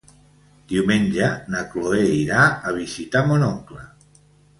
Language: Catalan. Diumenge na Cloè irà a visitar mon oncle.